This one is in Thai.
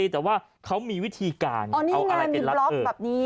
แต่ว่าเขามีวิธีการเอาอะไรไปบล็อกแบบนี้